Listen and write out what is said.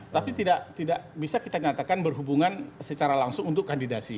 tapi tidak bisa kita nyatakan berhubungan secara langsung untuk kandidasi